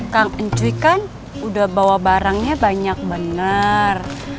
kang encuy kan udah bawa barangnya banyak bener